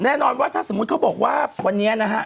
แน่นอนว่าถ้าสมมุติเขาบอกว่าวันนี้นะฮะ